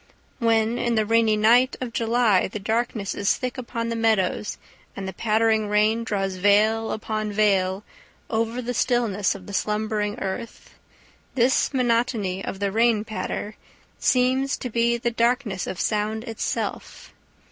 When in the rainy night of July the darkness is thick upon the meadows and the pattering rain draws veil upon veil over the stillness of the slumbering earth, this monotony of the rain patter seems to be the darkness of sound itself.